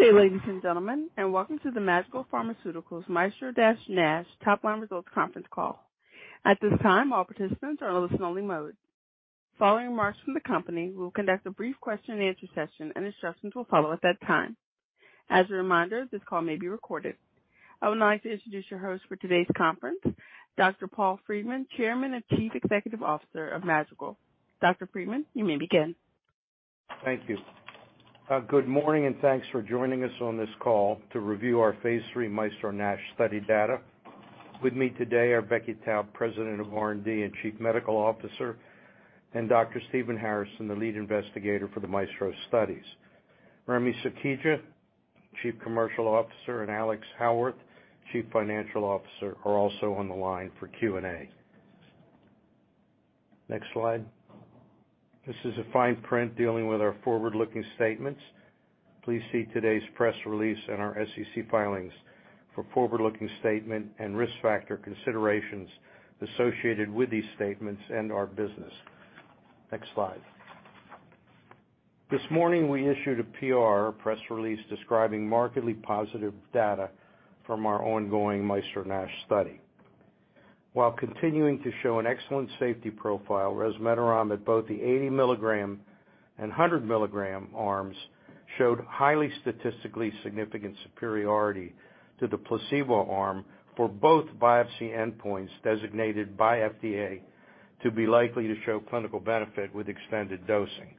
Good day, ladies and gentlemen, and welcome to the Madrigal Pharmaceuticals MAESTRO-NASH topline results conference call. At this time, all participants are in listen only mode. Following remarks from the company, we will conduct a brief question and answer session, and instructions will follow at that time. As a reminder, this call may be recorded. I would now like to introduce your host for today's conference, Dr. Paul Friedman, Chairman and Chief Executive Officer of Madrigal. Dr. Friedman, you may begin. Thank you. Good morning, and thanks for joining us on this call to review our phase III MAESTRO-NASH study data. With me today are Becky Taub, President of R&D and Chief Medical Officer, and Dr. Stephen Harrison, the lead investigator for the MAESTRO studies. Remy Sukhija, Chief Commercial Officer, and Alex Howarth, Chief Financial Officer, are also on the line for Q&A. Next slide. This is a fine print dealing with our forward-looking statements. Please see today's press release and our SEC filings for forward-looking statement and risk factor considerations associated with these statements and our business. Next slide. This morning, we issued a PR, a press release describing markedly positive data from our ongoing MAESTRO-NASH study. While continuing to show an excellent safety profile, resmetirom at both the 80 mg and 100 mg arms showed highly statistically significant superiority to the placebo arm for both biopsy endpoints designated by FDA to be likely to show clinical benefit with extended dosing.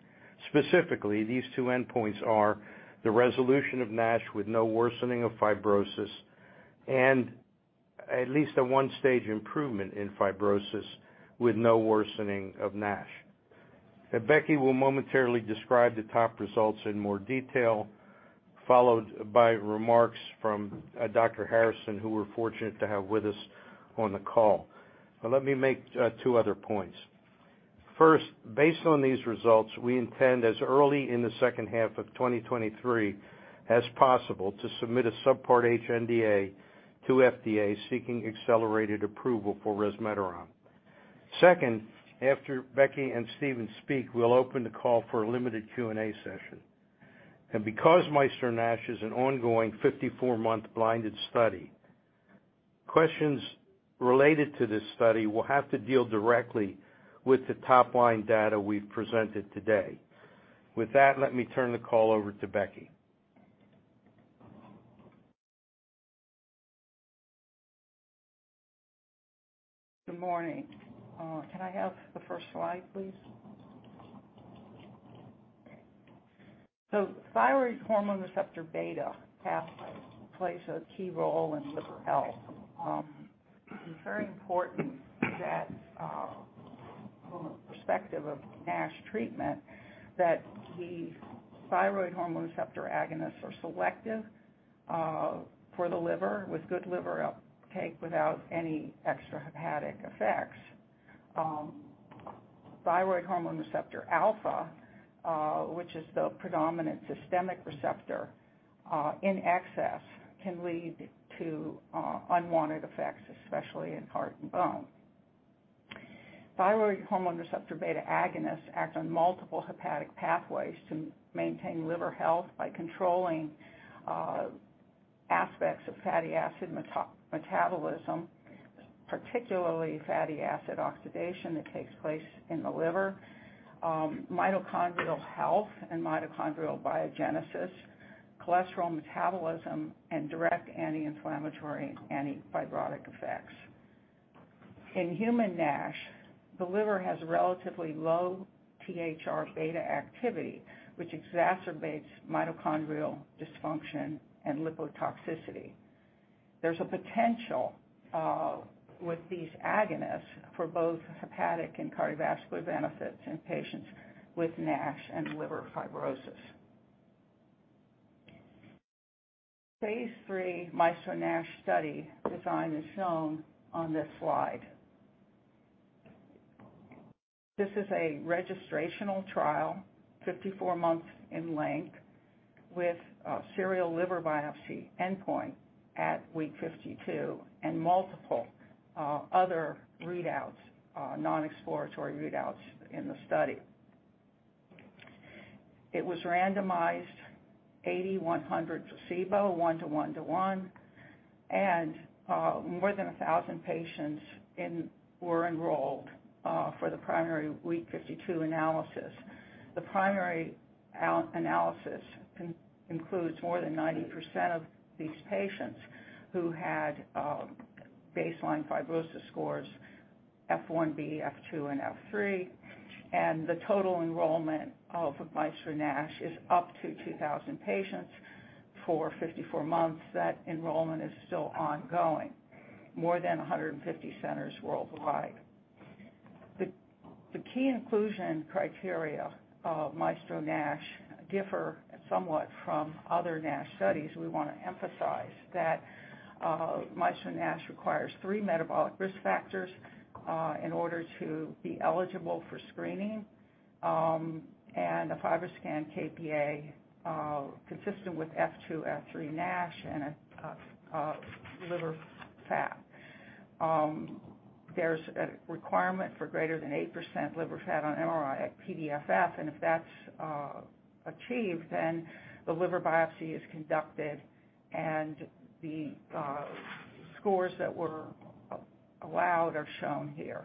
Specifically, these two endpoints are the resolution of NASH with no worsening of fibrosis and at least a one-stage improvement in fibrosis with no worsening of NASH. Becky will momentarily describe the top results in more detail, followed by remarks from Dr. Harrison, who we're fortunate to have with us on the call. Let me make two other points. First, based on these results, we intend as early in the second half of 2023 as possible to submit a subpart H NDA to FDA seeking accelerated approval for resmetirom. Second, after Becky and Stephen speak, we'll open the call for a limited Q&A session. Because MAESTRO-NASH is an ongoing 54-month blinded study, questions related to this study will have to deal directly with the top-line data we've presented today. With that, let me turn the call over to Becky. Good morning. Can I have the first slide, please? Thyroid hormone receptor beta pathway plays a key role in liver health. It's very important that from a perspective of NASH treatment, that the thyroid hormone receptor agonists are selective for the liver with good liver uptake without any extrahepatic effects. Thyroid hormone receptor alpha, which is the predominant systemic receptor, in excess, can lead to unwanted effects, especially in heart and bone. Thyroid hormone receptor beta agonists act on multiple hepatic pathways to maintain liver health by controlling aspects of fatty acid meta-metabolism, particularly fatty acid oxidation that takes place in the liver, mitochondrial health and mitochondrial biogenesis, cholesterol metabolism, and direct anti-inflammatory, anti-fibrotic effects. In human NASH, the liver has relatively low THR-β activity, which exacerbates mitochondrial dysfunction and lipotoxicity. There's a potential with these agonists for both hepatic and cardiovascular benefits in patients with NASH and liver fibrosis. phase III MAESTRO-NASH study design is shown on this slide. This is a registrational trial, 54 months in length with a serial liver biopsy endpoint at week 52 and multiple other readouts, non-exploratory readouts in the study. It was randomized 80mg 100mg to placebo, 1:1:1, and more than 1,000 patients were enrolled for the primary week 52 analysis. The primary analysis includes more than 90% of these patients who had baseline fibrosis scores F1B, F2, and F3. The total enrollment of MAESTRO-NASH is up to 2,000 patients for 54 months. That enrollment is still ongoing, more than 150 centers worldwide. The key inclusion criteria of MAESTRO-NASH differ somewhat from other NASH studies. We wanna emphasize that MAESTRO-NASH requires three metabolic risk factors in order to be eligible for screening, and a FibroScan kPa consistent with F2, F3 NASH and a liver fat. There's a requirement for greater than 8% liver fat on MRI-PDFF, and if that's achieved, then the liver biopsy is conducted and the scores that were allowed are shown here.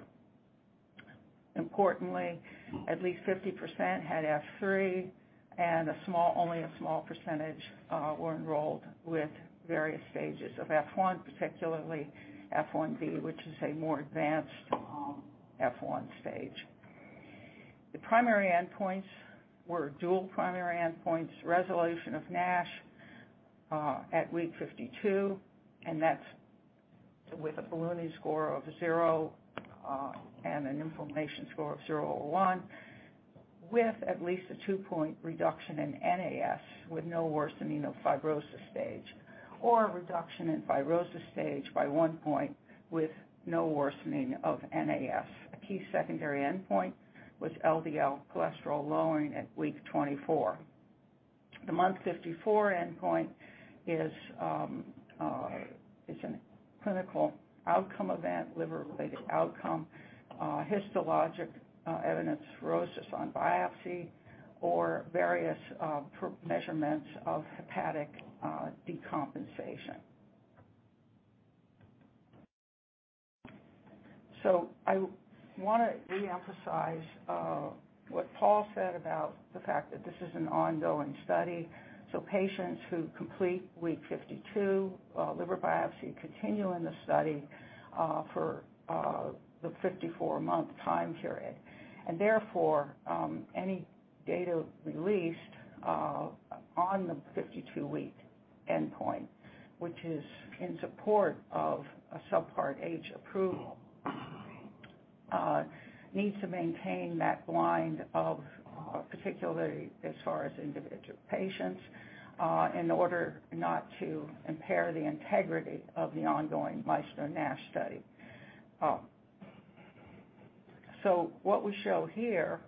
Importantly, at least 50% had F3 and only a small percentage were enrolled with various stages of F1, particularly F1B, which is a more advanced F1 stage. The primary endpoints were dual primary endpoints, resolution of NASH at week 52, and that's with a ballooning score of 0 and an inflammation score of 0 or 1, with at least a two-point reduction in NAS with no worsening of fibrosis stage or a reduction in fibrosis stage by 1 point with no worsening of NAS. A key secondary endpoint was LDL cholesterol lowering at week 24. The month 54 endpoint is an clinical outcome event, liver-related outcome, histologic evidence cirrhosis on biopsy or various PRO measurements of hepatic decompensation. I wanna reemphasize what Paul said about the fact that this is an ongoing study. Patients who complete week 52 liver biopsy continue in the study for the 54-month time period. Therefore, any data released on the 52-week endpoint, which is in support of a subpart H approval, needs to maintain that blind of, particularly as far as individual patients, in order not to impair the integrity of the ongoing MAESTRO-NASH study. What we show here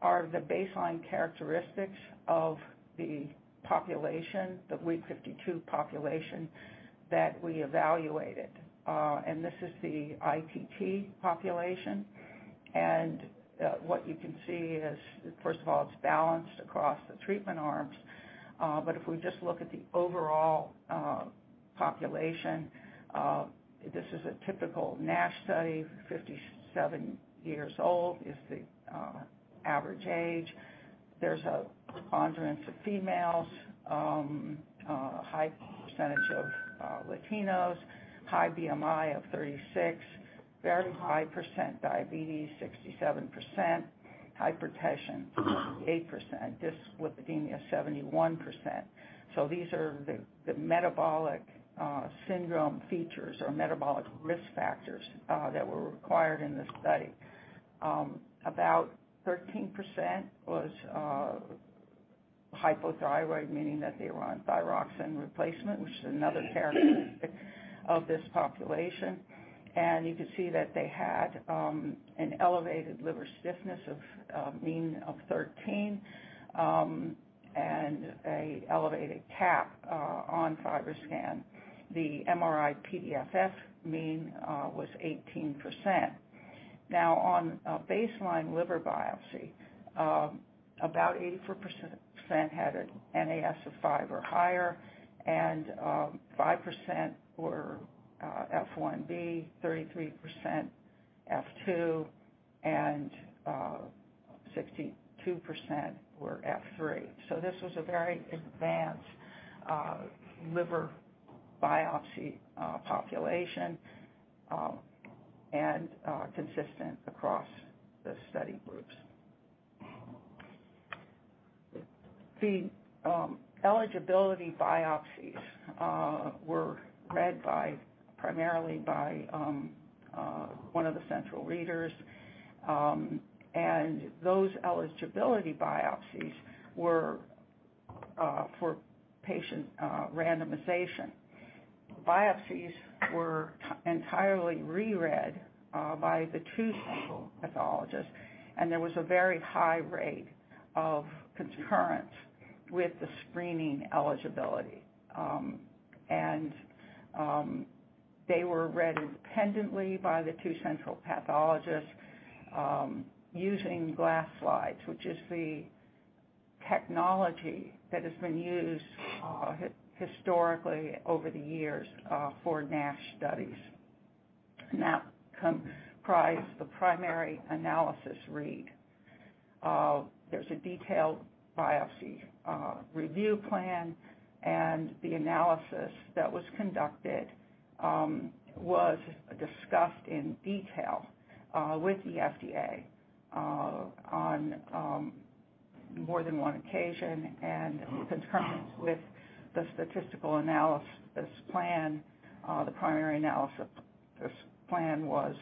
are the baseline characteristics of the population, the week 52 population that we evaluated. This is the ITT population. What you can see is, first of all, it's balanced across the treatment arms. If we just look at the overall population, this is a typical NASH study. 57 years old is the average age. There's a preponderance of females, a high percentage of Latinos, high BMI of 36, very high % diabetes, 67%, hypertension, 28%, dyslipidemia, 71%. These are the metabolic syndrome features or metabolic risk factors that were required in this study. About 13% was hypothyroid, meaning that they were on thyroxine replacement, which is another characteristic of this population. You can see that they had an elevated liver stiffness of a mean of 13, and an elevated CAP on FibroScan. The MRI-PDFF mean was 18%. On a baseline liver biopsy, about 84% had an NAS of five or higher, and 5% were F1B, 33% F2, and 62% were F3. This was a very advanced liver biopsy population, and consistent across the study groups. The eligibility biopsies were read primarily by one of the central readers. Those eligibility biopsies were for patient randomization. Biopsies were entirely reread by the two central pathologists. There was a very high rate of concurrence with the screening eligibility. They were read independently by the two central pathologists using glass slides, which is the technology that has been used historically over the years for NASH studies. That comprised the primary analysis read. There's a detailed biopsy review plan. The analysis that was conducted was discussed in detail with the FDA on more than one occasion. Concurrent with the statistical analysis plan, the primary analysis plan was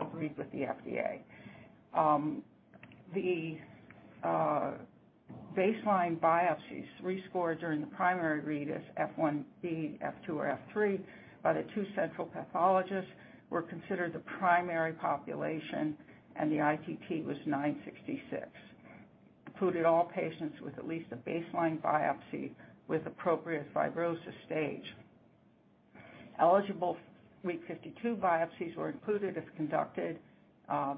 agreed with the FDA. The baseline biopsies rescored during the primary read as F1B, F2, or F3 by the two central pathologists were considered the primary population. The ITT was 966. Included all patients with at least a baseline biopsy with appropriate fibrosis stage. Eligible week 52 biopsies were included if conducted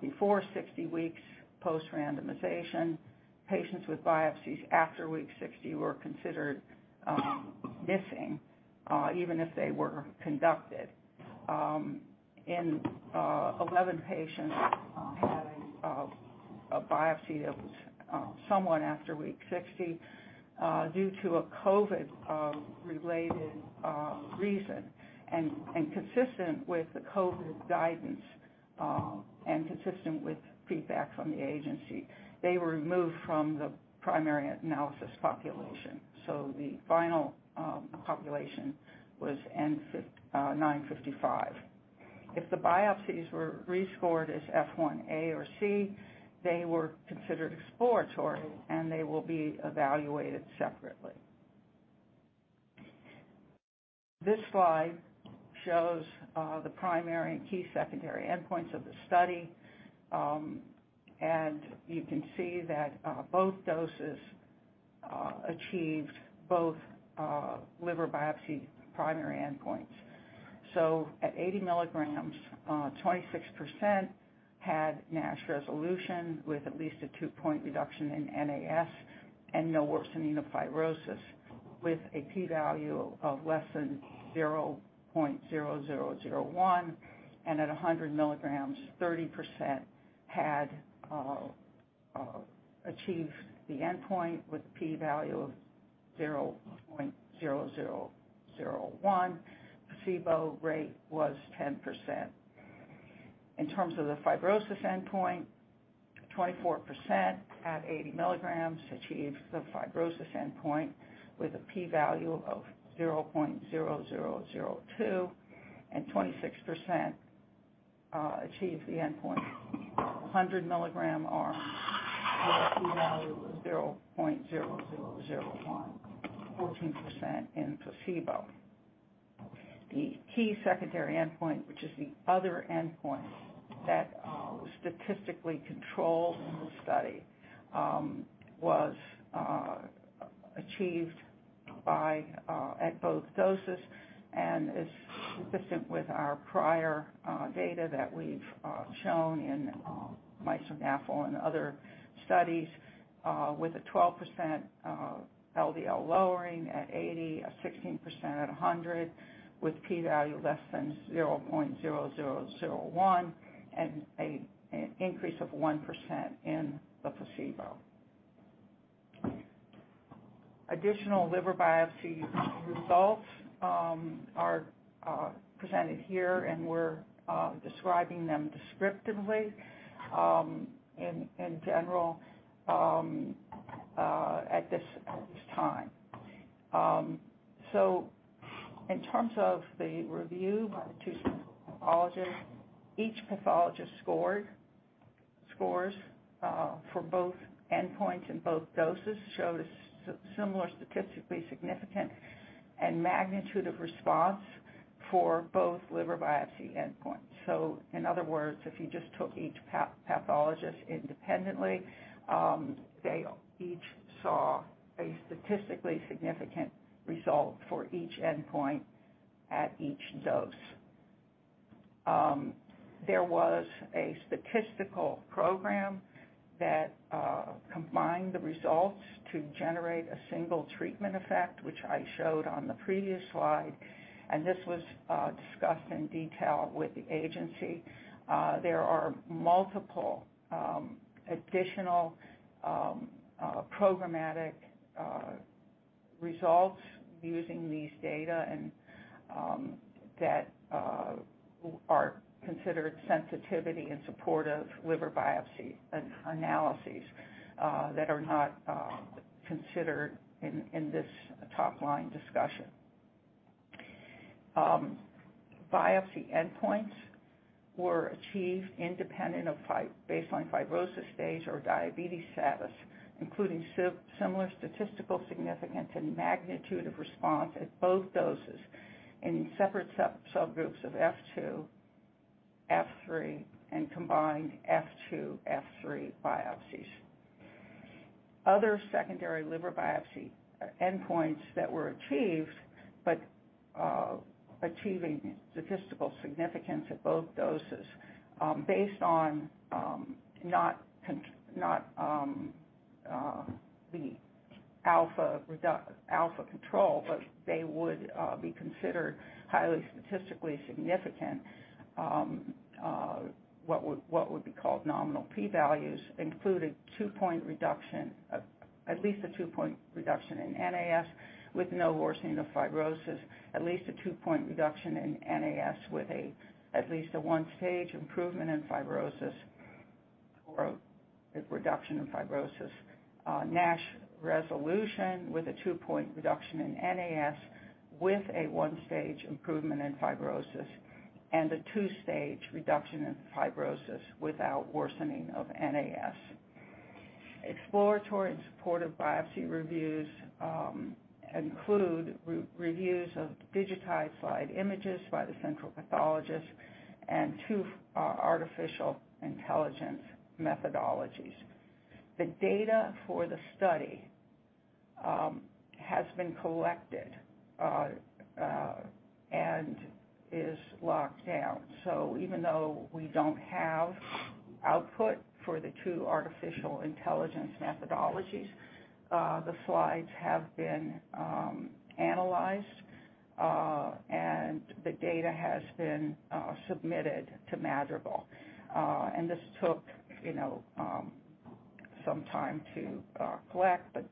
before 60 weeks post-randomization. Patients with biopsies after week 60 were considered missing even if they were conducted. Eleven patients had a biopsy that was somewhat after week 60 due to a COVID related reason and consistent with the COVID guidance and consistent with feedback from the agency. They were removed from the primary analysis population. The final population was n=955. If the biopsies were rescored as F1A or F1C, they were considered exploratory, and they will be evaluated separately. This slide shows the primary and key secondary endpoints of the study, you can see that both doses achieved both liver biopsy primary endpoints. At 80 mgs, 26% had NASH resolution with at least a two-point reduction in NAS and no worsening of fibrosis with a P value of less than 0.0001. At 100 mgs, 30% had achieved the endpoint with a P value of 0.0001. Placebo rate was 10%. In terms of the fibrosis endpoint, 24% at 80 mgs achieved the fibrosis endpoint with a P value of 0.0002, and 26% achieved the endpoint. A 100 mg arm with a P value of 0.0001, 14% in placebo. The key secondary endpoint, which is the other endpoint that statistically controlled in the study, was achieved at both doses and is consistent with our prior data that we've shown in Madrigal and other studies, with a 12% LDL lowering at 80 mg, a 16% at 100, with P value less than 0.0001 and an increase of 1% in the placebo. Additional liver biopsy results are presented here, and we're describing them descriptively in general at this time. In terms of the review by the two central pathologists, each pathologist scored. Scores for both endpoints and both doses showed a similar statistically significant and magnitude of response for both liver biopsy endpoints. In other words, if you just took each pathologist independently, they each saw a statistically significant result for each endpoint at each dose. There was a statistical program that combined the results to generate a single treatment effect, which I showed on the previous slide, and this was discussed in detail with the agency. There are multiple additional programmatic results using these data and that are considered sensitivity in support of liver biopsy analyses that are not considered in this top-line discussion. Biopsy endpoints were achieved independent of baseline fibrosis stage or diabetes status, including similar statistical significance and magnitude of response at both doses in separate subgroups of F2, F3, and combined F2, F3 biopsies. Other secondary liver biopsy endpoints that were achieved but achieving statistical significance at both doses, based on not alpha control, but they would be considered highly statistically significant, what would be called nominal P values, include at least a two-point reduction in NAS with no worsening of fibrosis. At least a two-point reduction in NAS with at least a one-stage improvement in fibrosis or a reduction in fibrosis. NASH resolution with a two-point reduction in NAS with a one-stage improvement in fibrosis, and a two-stage reduction in fibrosis without worsening of NAS. Exploratory and supportive biopsy reviews include reviews of digitized slide images by the central pathologist and two artificial intelligence methodologies. The data for the study has been collected and is locked down. Even though we don't have output for the two artificial intelligence methodologies, the slides have been analyzed, and the data has been submitted to Madrigal. This took, you know, some time to collect, but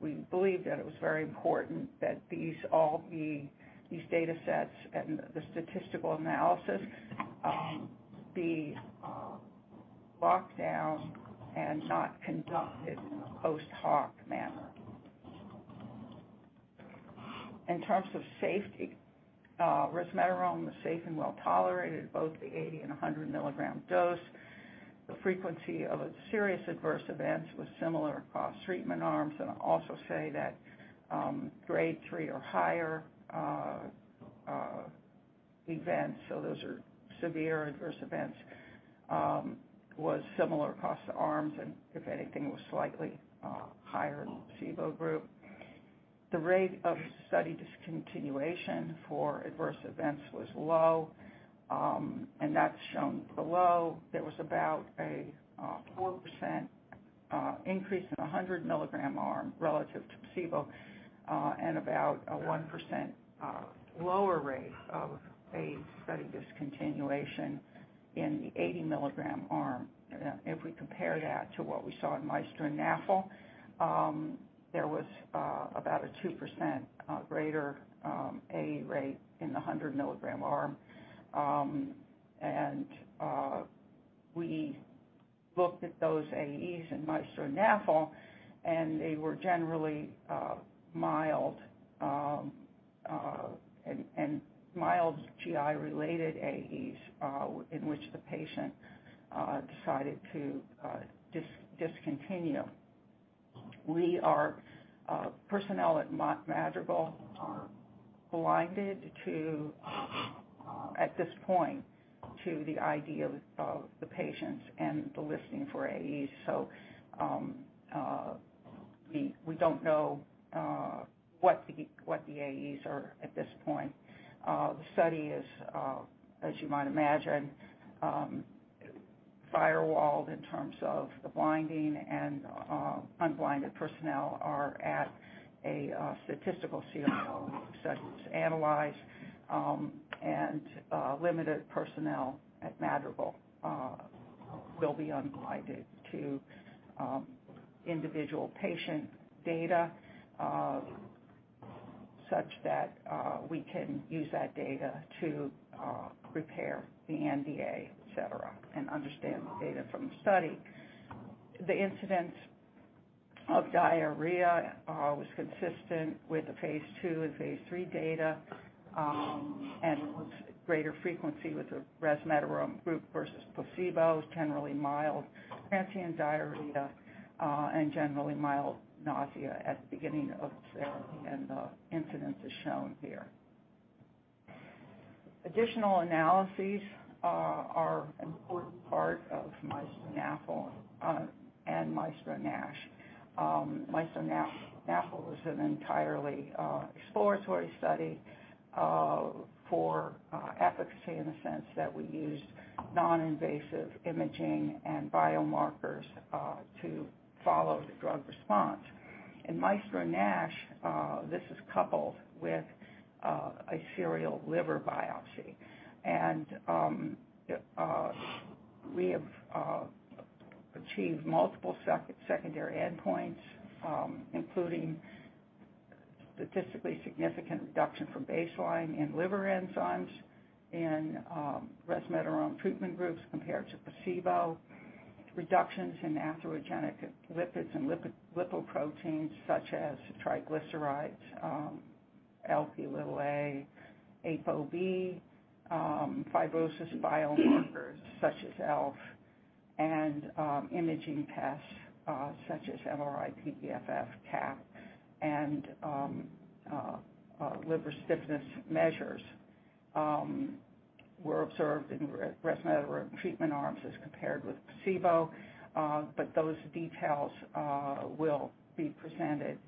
we believed that it was very important that these data sets and the statistical analysis be locked down and not conducted in a post-hoc manner. In terms of safety, resmetirom was safe and well-tolerated, both the 80 and 100-mg dose. The frequency of its serious adverse events was similar across treatment arms. I'll also say that, Grade 3 or higher events, so those are severe adverse events, was similar across the arms, and if anything, was slightly higher in the placebo group. The rate of study discontinuation for adverse events was low, and that's shown below. There was about a 4% increase in the 100-mg arm relative to placebo, and about a 1% lower rate of AE study discontinuation in the 80-mg arm. If we compare that to what we saw in MAESTRO-NAFLD-1, there was about a 2% greater AE rate in the 100-mg arm. We looked at those AEs in MAESTRO-NAFLD-1, and they were generally mild and mild GI-related AEs in which the patient decided to discontinue. We personnel at Madrigal are blinded to at this point, to the idea of the patients and the listing for AEs. We don't know what the AEs are at this point. The study is, as you might imagine, firewalled in terms of the blinding and unblinded personnel are at a statistical CRO. It's analyzed, and limited personnel at Madrigal will be unblinded to individual patient data such that we can use that data to prepare the NDA, et cetera, and understand the data from the study. The incidence of diarrhea was consistent with the phase II and phase III data, and was greater frequency with the resmetirom group versus placebo, generally mild crampy and diarrhea, and generally mild nausea at the beginning of the therapy, and the incidence is shown here. Additional analyses are an important part of MAESTRO-NAFLD-1 and MAESTRO-NASH. MAESTRO-NAFLD-1 was an entirely exploratory study for efficacy in the sense that we used non-invasive imaging and biomarkers to follow the drug response. In MAESTRO-NASH, this is coupled with a serial liver biopsy. We have achieved multiple secondary endpoints, including statistically significant reduction from baseline in liver enzymes in resmetirom treatment groups compared to placebo. Reductions in atherogenic lipids and lipid, lipoproteins such as triglycerides, Lp(a), ApoB, fibrosis biomarkers such as ELF, and imaging tests, such as MRI-PDFF, CAP, and liver stiffness measures, were observed in resmetirom treatment arms as compared with placebo. Those details will be presented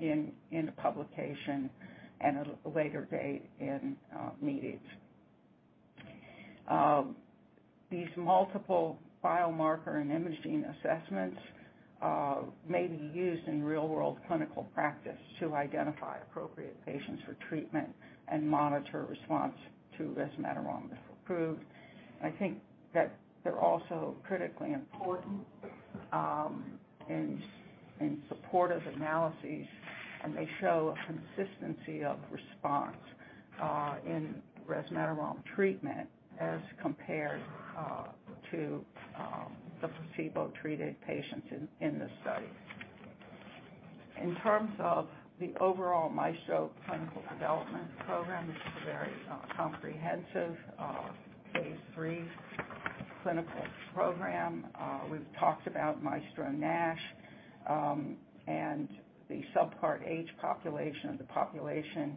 in the publication at a later date in meetings. These multiple biomarker and imaging assessments may be used in real-world clinical practice to identify appropriate patients for treatment and monitor response to resmetirom if approved. I think that they're also critically important in supportive analyses, and they show a consistency of response in resmetirom treatment as compared to the placebo-treated patients in this study. In terms of the overall MAESTRO clinical development program, this is a very comprehensive phase III clinical program. We've talked about MAESTRO-NASH and the subpart H population of the population.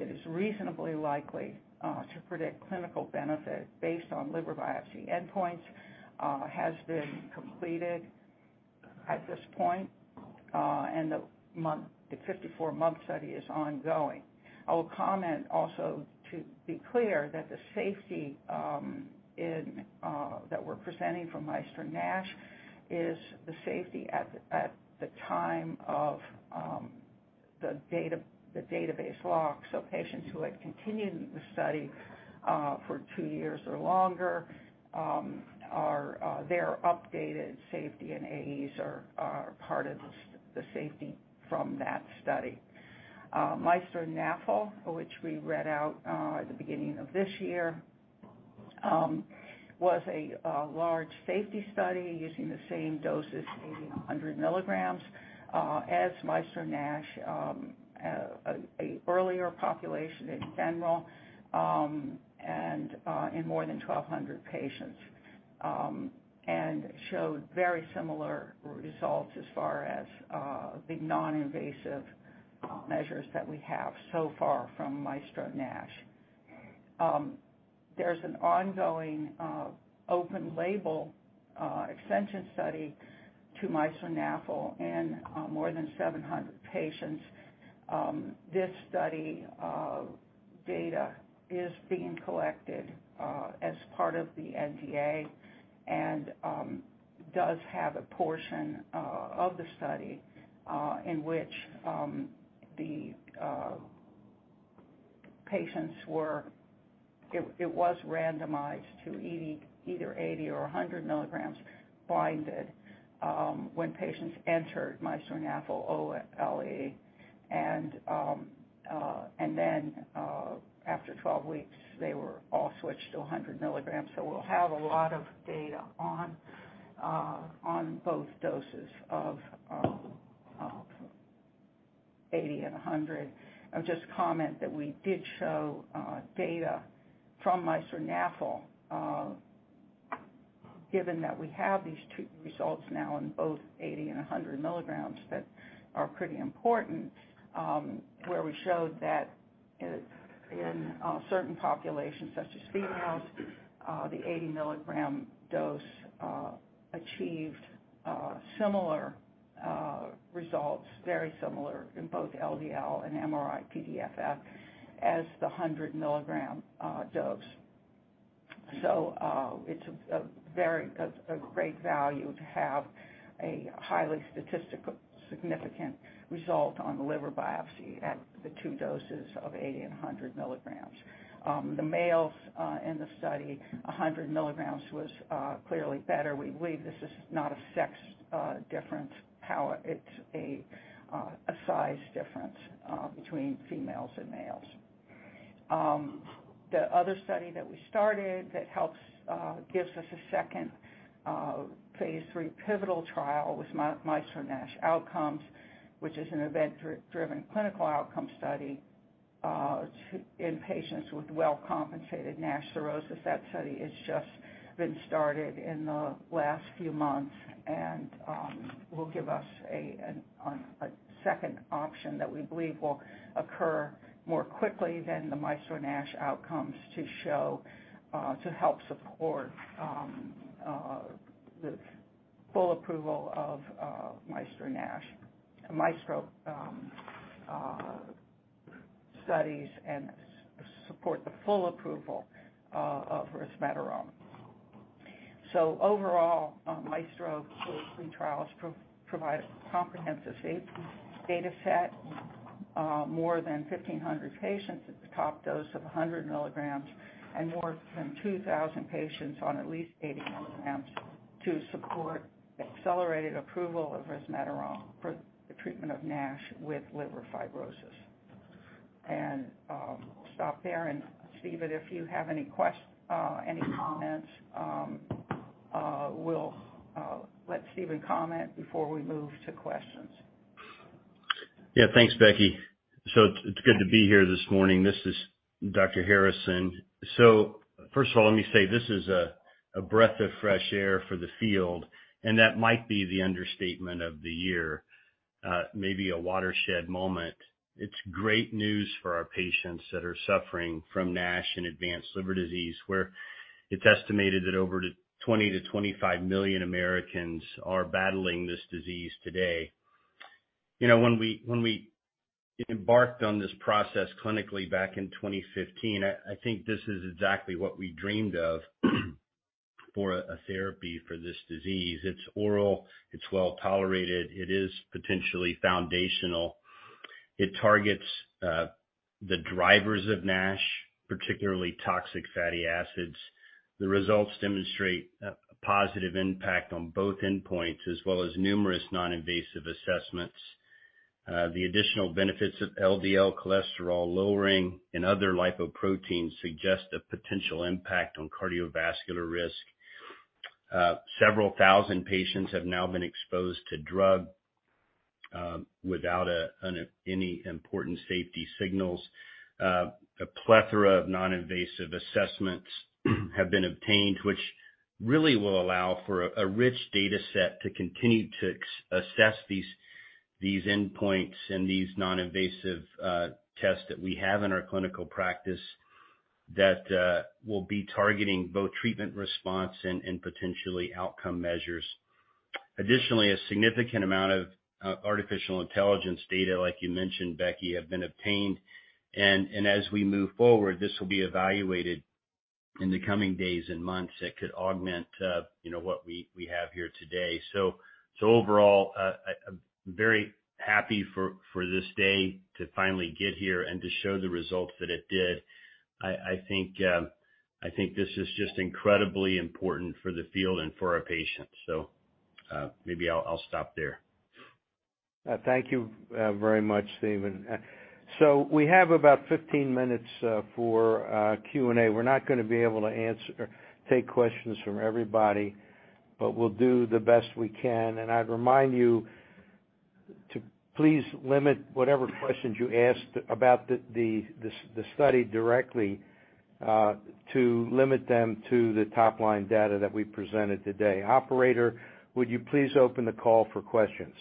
It is reasonably likely to predict clinical benefit based on liver biopsy endpoints has been completed at this point, and the 54-month study is ongoing. I will comment also to be clear that the safety that we're presenting from MAESTRO-NASH is the safety at the time of the data, the database lock. Patients who had continued the study for two years or longer, are their updated safety and AEs are part of the safety from that study. MAESTRO-NAFLD-1, which we read out at the beginning of this year, was a large safety study using the same doses, 80 and 100 mgs, as MAESTRO-NASH, an earlier population in general, and in more than 1,200 patients. It showed very similar results as far as the non-invasive measures that we have so far from MAESTRO-NASH. There's an ongoing open-label extension study to MAESTRO-NAFLD-1 in more than 700 patients. This study data is being collected as part of the NDA and does have a portion of the study in which the patients were randomized to either 80 or 100 mgs blinded when patients entered MAESTRO-NAFLD-OLE. After 12 weeks, they were all switched to 100 mgs. We'll have a lot of data on both doses of 80 mgs and 100 mgs. I'll just comment that we did show data from MAESTRO-NAFLD-1, given that we have these two results now in both 80 mgs and 100 mgs that are pretty important, where we showed that in certain populations, such as females, the 80-mg dose achieved similar results, very similar in both LDL and MRI-PDFF as the 100-mg dose. It's a great value to have a highly statistical significant result on the liver biopsy at the two doses of 80 mgs and 100 mgs. The males in the study, 100 mgs was clearly better. We believe this is not a sex difference, however it's a size difference between females and males. The other study that we started that helps gives us a second phase III pivotal trial with MAESTRO-NASH OUTCOMES, which is an event-driven clinical outcome study in patients with well-compensated NASH cirrhosis. That study has just been started in the last few months and will give us a second option that we believe will occur more quickly than the MAESTRO-NASH OUTCOMES to show to help support the full approval of MAESTRO-NASH. MAESTRO studies and support the full approval of resmetirom. Overall, MAESTRO phase III trials provide a comprehensive data set, more than 1,500 patients at the top dose of 100 mgs and more than 2,000 patients on at least 80 mgs to support accelerated approval of resmetirom for the treatment of NASH with liver fibrosis. I'll stop there. Stephen, if you have any comments, we'll let Stephen comment before we move to questions. Yeah. Thanks, Becky. It's good to be here this morning. This is Dr. Harrison. First of all, let me say this is a breath of fresh air for the field, and that might be the understatement of the year. Maybe a watershed moment. It's great news for our patients that are suffering from NASH and advanced liver disease, where it's estimated that over 20million-25 million Americans are battling this disease today. You know, when we embarked on this process clinically back in 2015, I think this is exactly what we dreamed of for a therapy for this disease. It's oral, it's well-tolerated. It is potentially foundational. It targets the drivers of NASH, particularly toxic fatty acids. The results demonstrate a positive impact on both endpoints as well as numerous non-invasive assessments. The additional benefits of LDL cholesterol lowering and other lipoproteins suggest a potential impact on cardiovascular risk. Several thousand patients have now been exposed to drug, without any important safety signals. A plethora of non-invasive assessments have been obtained, which really will allow for a rich data set to continue to assess these endpoints and these non-invasive tests that we have in our clinical practice. That will be targeting both treatment response and potentially outcome measures. Additionally, a significant amount of artificial intelligence data, like you mentioned, Becky, have been obtained and as we move forward, this will be evaluated in the coming days and months. It could augment, you know, what we have here today. Overall, I'm very happy for this day to finally get here and to show the results that it did. I think this is just incredibly important for the field and for our patients. Maybe I'll stop there. Thank you very much, Stephen. We have about 15 minutes for Q&A. We're not gonna be able to take questions from everybody, but we'll do the best we can. I'd remind you to please limit whatever questions you ask about the study directly to limit them to the top-line data that we presented today. Operator, would you please open the call for questions?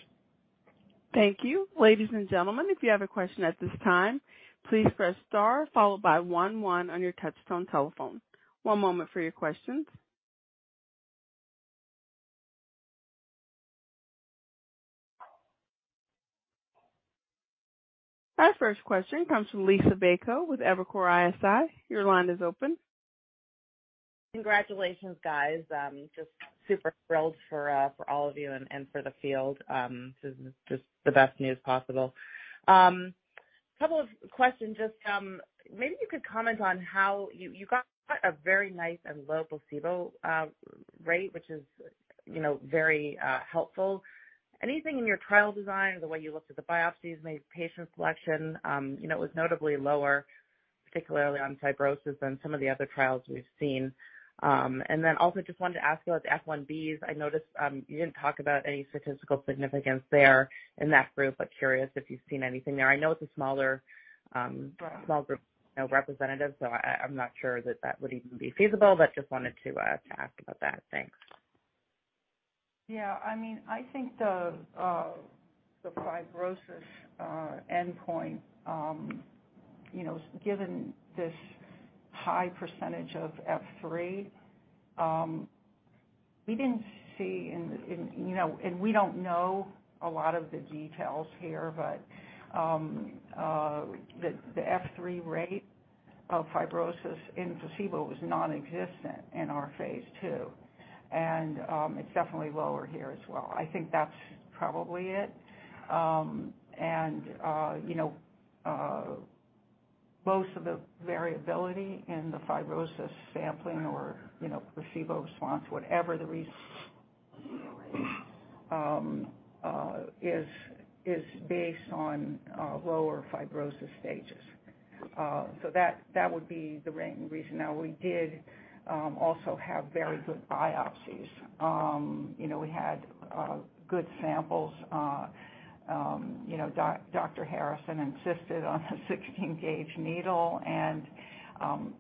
Thank you. Ladies and gentlemen, if you have a question at this time, please press star followed by one on your touchtone telephone. One moment for your questions. Our first question comes from Liisa Bayko with Evercore ISI. Your line is open. Congratulations, guys. I'm just super thrilled for all of you and for the field. This is just the best news possible. Couple of questions. Just, maybe you could comment on how you got a very nice and low placebo rate, which is, you know, very helpful. Anything in your trial design or the way you looked at the biopsies made patient selection, you know, it was notably lower, particularly on fibrosis than some of the other trials we've seen. Then also just wanted to ask you about the F1Bs. I noticed, you didn't talk about any statistical significance there in that group. I'm curious if you've seen anything there. I know it's a smaller, small group, you know, representative, so I'm not sure that that would even be feasible. just wanted to ask about that. Thanks. Yeah, I mean, I think the fibrosis endpoint, you know, given this high percentage of F3, we didn't see in, you know, and we don't know a lot of the details here, but the F3 rate of fibrosis in placebo was nonexistent in our phase II. It's definitely lower here as well. I think that's probably it. You know, most of the variability in the fibrosis sampling or, you know, placebo response, whatever the is based on lower fibrosis stages. That would be the main reason. We did also have very good biopsies. You know, we had good samples. You know, Dr. Harrison insisted on a 16-gauge needle.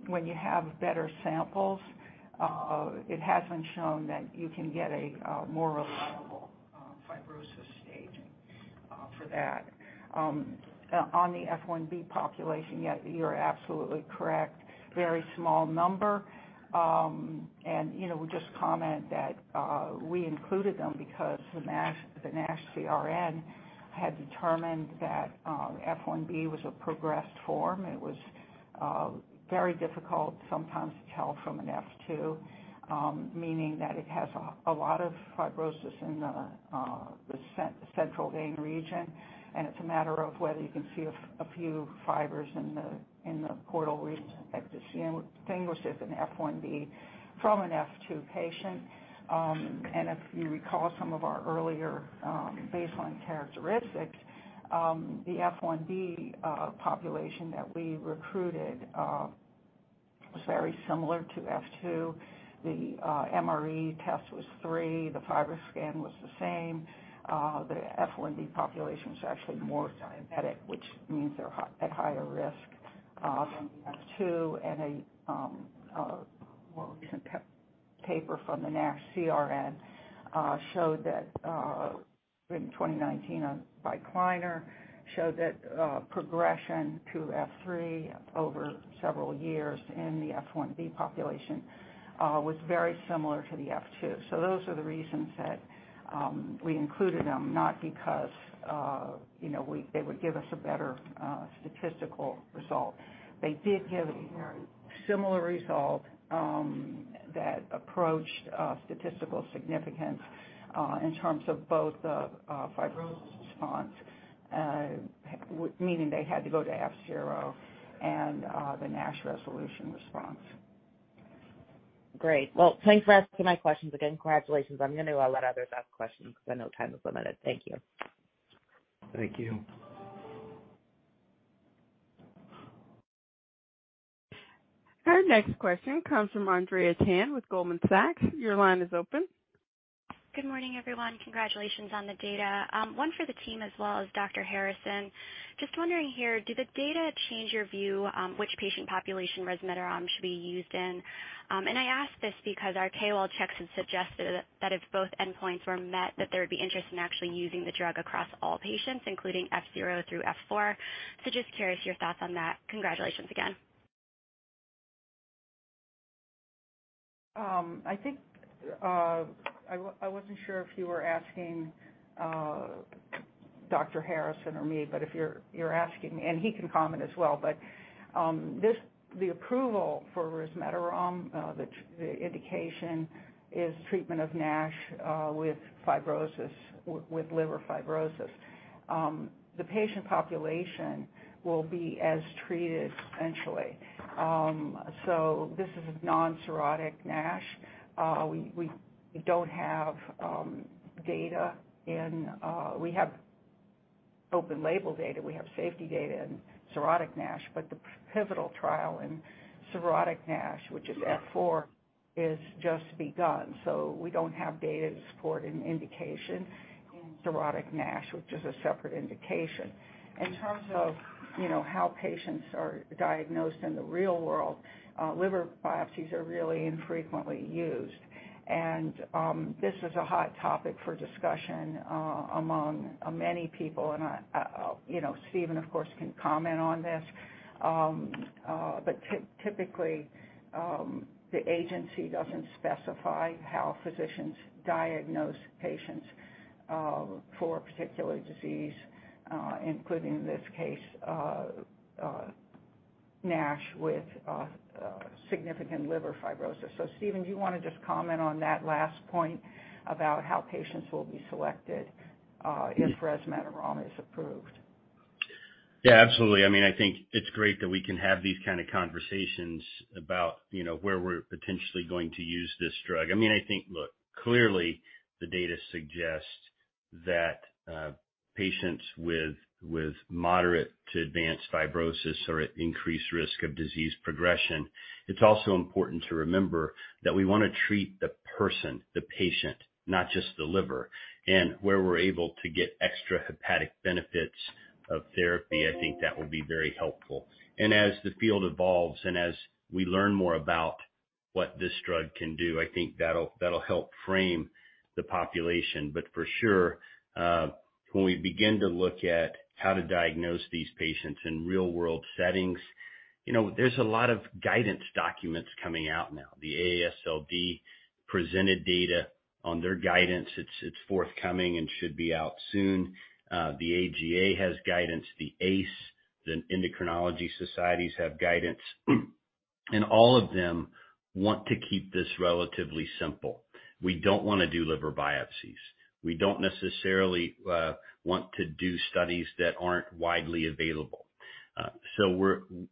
When you have better samples, it has been shown that you can get a more reliable fibrosis staging for that. On the F1B population, yeah, you're absolutely correct. Very small number. You know, we just comment that we included them because the NASH, the NASH CRN had determined that F1B was a progressed form. It was very difficult sometimes to tell from an F2, meaning that it has a lot of fibrosis in the central vein region, and it's a matter of whether you can see a few fibers in the portal region that distinguish as an F1B from an F2 patient. If you recall some of our earlier baseline characteristics, the F1B population that we recruited was very similar to F2. The MRE test was three. The FibroScan was the same. The F1B population is actually more synaptic, which means they're at higher risk than the F2. A more recent paper from the NASH CRN showed that in 2019, by Kleiner showed that progression to F3 over several years in the F1B population was very similar to the F2. Those are the reasons that we included them, not because, you know, they would give us a better statistical result. They did give a very similar result, that approached statistical significance, in terms of both the fibrosis response, meaning they had to go to F0 and the NASH resolution response. Great. Well, thanks for asking my questions. Again, congratulations. I'm gonna let others ask questions because I know time is limited. Thank you. Thank you. Our next question comes from Andrea Tan with Goldman Sachs. Your line is open. Good morning, everyone. Congratulations on the data. one for the team as well as Dr. Harrison. Just wondering here, do the data change your view, which patient population resmetirom should be used in? I ask this because our KOL checks have suggested that if both endpoints were met, that there would be interest in actually using the drug across all patients, including F0 through F4. Just curious your thoughts on that. Congratulations again. I think I wasn't sure if you were asking Dr. Harrison or me, if you're asking me, and he can comment as well. This, the approval for resmetirom, the indication is treatment of NASH with fibrosis, with liver fibrosis. The patient population will be as treated essentially. This is non-cirrhotic NASH. We don't have data in... We have open label data, we have safety data in cirrhotic NASH, the pivotal trial in cirrhotic NASH, which is F4, is just begun. We don't have data to support an indication in cirrhotic NASH, which is a separate indication. In terms of, you know, how patients are diagnosed in the real world, liver biopsies are really infrequently used. This is a hot topic for discussion among many people. I, you know, Stephen, of course, can comment on this. Typically, the agency doesn't specify how physicians diagnose patients for a particular disease, including this case, NASH with significant liver fibrosis. Stephen, do you wanna just comment on that last point about how patients will be selected if resmetirom is approved? Absolutely. I mean, I think it's great that we can have these kinda conversations about, you know, where we're potentially going to use this drug. I mean, I think, look, clearly the data suggests that patients with moderate to advanced fibrosis are at increased risk of disease progression. It's also important to remember that we wanna treat the person, the patient, not just the liver. Where we're able to get extra hepatic benefits of therapy, I think that will be very helpful. As the field evolves, and as we learn more about what this drug can do, I think that'll help frame the population. For sure, when we begin to look at how to diagnose these patients in real-world settings, you know, there's a lot of guidance documents coming out now. The AASLD presented data on their guidance. It's forthcoming and should be out soon. The AGA has guidance. The AACE, the endocrinology societies have guidance. All of them want to keep this relatively simple. We don't wanna do liver biopsies. We don't necessarily want to do studies that aren't widely available.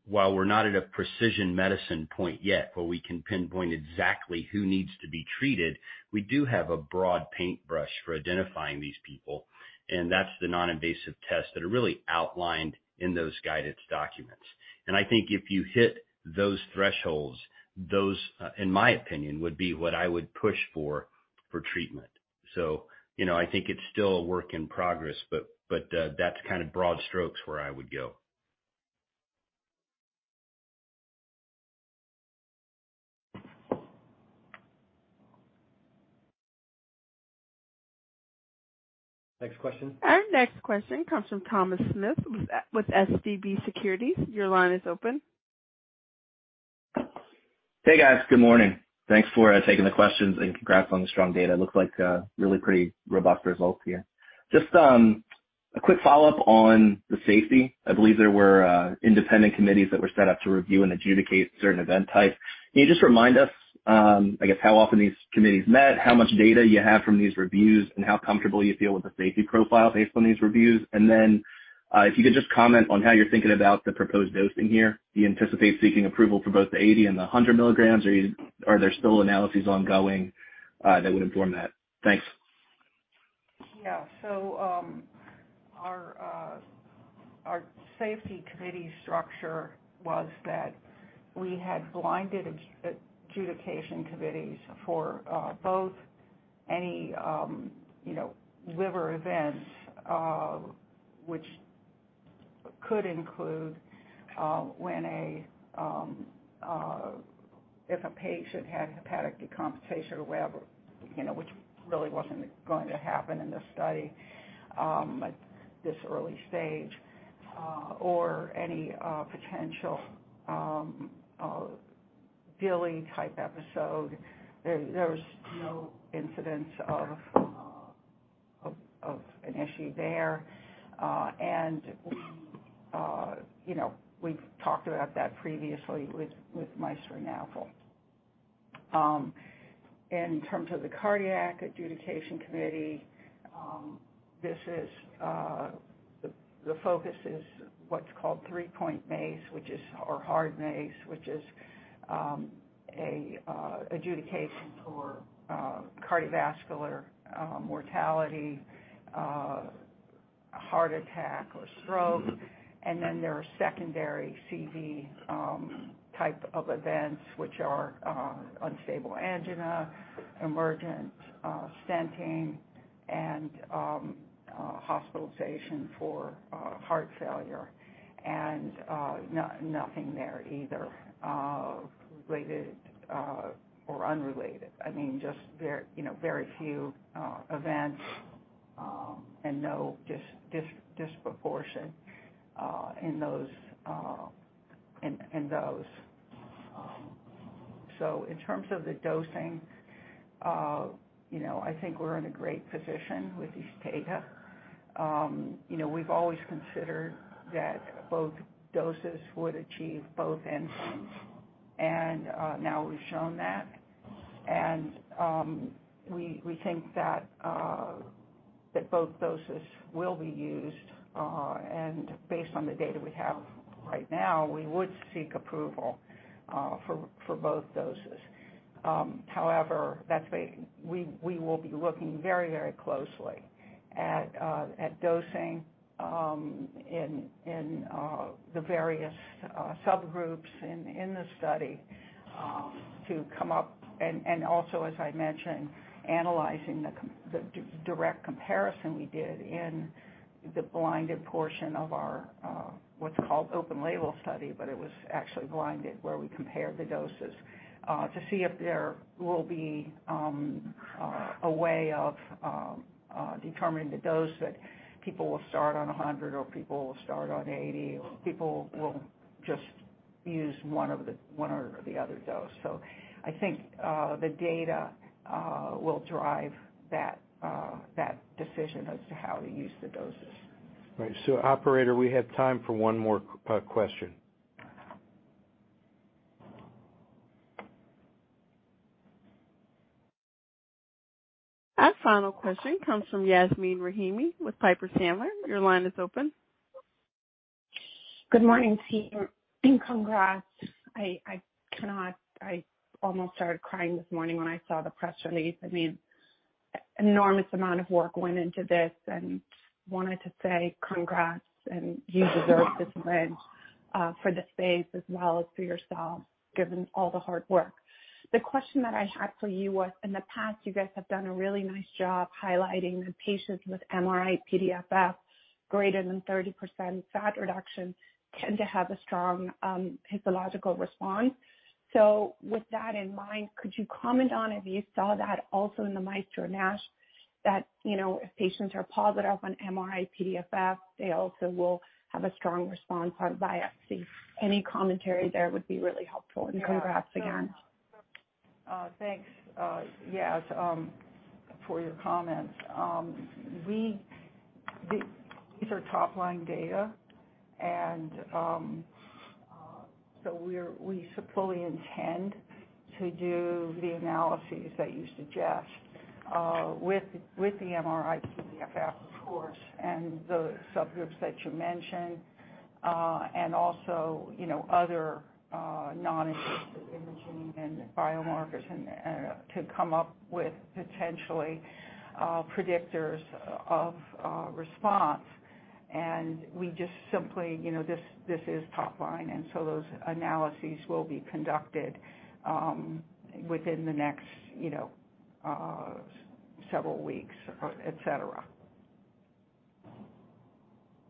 While we're not at a precision medicine point yet where we can pinpoint exactly who needs to be treated, we do have a broad paintbrush for identifying these people, and that's the non-invasive tests that are really outlined in those guidance documents. I think if you hit those thresholds, those, in my opinion, would be what I would push for for treatment. You know, I think it's still a work in progress, but that's kinda broad strokes where I would go. Next question. Our next question comes from Thomas Smith with Leerink Partners. Your line is open. Hey, guys. Good morning. Thanks for taking the questions, and congrats on the strong data. Looks like really pretty robust results here. Just a quick follow-up on the safety. I believe there were independent committees that were set up to review and adjudicate certain event types. Can you just remind us, I guess, how often these committees met, how much data you have from these reviews, and how comfortable you feel with the safety profile based on these reviews? Then, if you could just comment on how you're thinking about the proposed dosing here. Do you anticipate seeking approval for both the 80 and the 100 mgs, or are there still analyses ongoing that would inform that? Thanks. Our safety committee structure was that we had blinded adjudication committees for both any, you know, liver events, which could include when a patient had hepatic decompensation or whatever, you know, which really wasn't going to happen in this study at this early stage, or any potential bili type episode. There was no incidence of an issue there. You know, we've talked about that previously with MAESTRO-NASH and MAESTRO-NAFLD-1. In terms of the cardiac adjudication committee, this is the focus is what's called 3-point MACE, which is or hard MACE, which is an adjudication for cardiovascular mortality, heart attack or stroke. There are secondary CV type of events which are unstable angina, emergent stenting, and hospitalization for heart failure. Nothing there either, related or unrelated. I mean, just you know, very few events. And no disproportion in those. In terms of the dosing, you know, I think we're in a great position with these data. You know, we've always considered that both doses would achieve both endpoints. Now we've shown that. We think that both doses will be used. Based on the data we have right now, we would seek approval for both doses. However, that's we will be looking very, very closely at dosing in the various subgroups in the study to come up and also, as I mentioned, analyzing the direct comparison we did in the blinded portion of our what's called open label study, but it was actually blinded, where we compared the doses to see if there will be a way of determining the dose that people will start on 100 or people will start on 80 or people will just use one or the other dose. I think the data will drive that decision as to how to use the doses. Right. Operator, we have time for one more question. Our final question comes from Yasmeen Rahimi with Piper Sandler. Your line is open. Good morning, team, and congrats. I almost started crying this morning when I saw the press release. I mean, enormous amount of work went into this, and wanted to say congrats, and you deserve this win for the space as well as for yourself, given all the hard work. The question that I had for you was, in the past, you guys have done a really nice job highlighting the patients with MRI-PDFF greater than 30% fat reduction tend to have a strong histological response. With that in mind, could you comment on if you saw that also in the MAESTRO-NASH that, you know, if patients are positive on MRI-PDFF, they also will have a strong response on biopsy? Any commentary there would be really helpful. Yeah. Congrats again. Thanks, Yas, for your comments. These are top-line data. We fully intend to do the analyses that you suggest, with the MRI-PDFF, of course, and the subgroups that you mentioned. You know, other non-invasive imaging and biomarkers to come up with potentially predictors of response. We just simply, this is top line, those analyses will be conducted within the next several weeks, et cetera.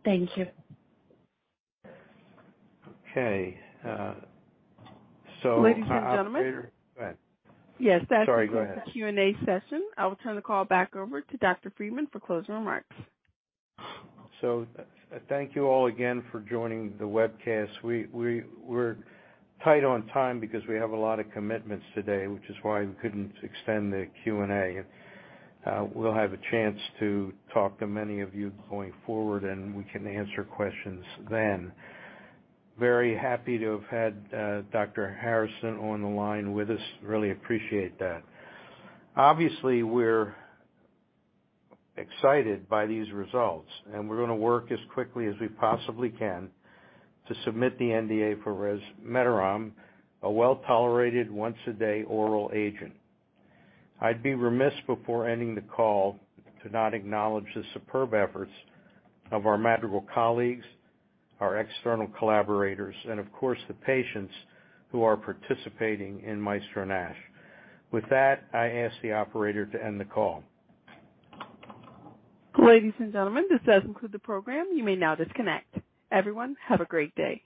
Thank you. Okay. Ladies and gentlemen. Go ahead. Yes. Sorry, go ahead. That does conclude the Q&A session. I will turn the call back over to Dr. Friedman for closing remarks. Thank you all again for joining the webcast. We're tight on time because we have a lot of commitments today, which is why we couldn't extend the Q&A. We'll have a chance to talk to many of you going forward, and we can answer questions then. Very happy to have had Dr. Harrison on the line with us. Really appreciate that. Obviously, we're excited by these results, and we're going to work as quickly as we possibly can to submit the NDA for resmetirom, a well-tolerated once-a-day oral agent. I'd be remiss before ending the call to not acknowledge the superb efforts of our Madrigal colleagues, our external collaborators, and of course, the patients who are participating in MAESTRO-NASH. With that, I ask the operator to end the call. Ladies and gentlemen, this does conclude the program. You may now disconnect. Everyone, have a great day.